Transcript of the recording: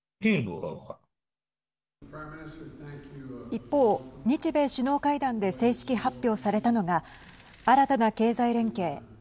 一方、日米首脳会談で正式発表されたのが新たな経済連携